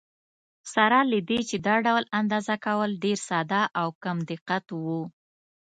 سره له دې چې دا ډول اندازه کول ډېر ساده او کم دقت و.